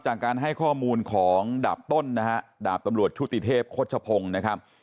จากการให้ข้อมูลของดาบต้นนะฮะดาบตำรวจชุติเทพโฆษพงศ์นะครับ